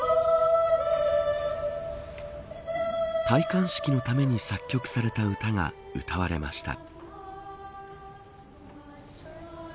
戴冠式のために作曲された歌が歌われました。